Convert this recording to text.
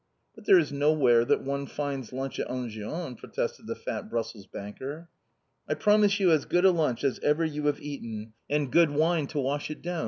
"But there is nowhere that one finds lunch at Enghien," protested the fat Brussels banker. "I promise you as good a lunch as ever you have eaten, and good wine to wash it down!"